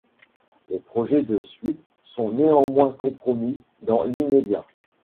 Les projets de suite sont néanmoins compromis, dans l'immédiat.